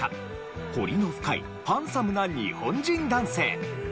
彫りの深いハンサムな日本人男性。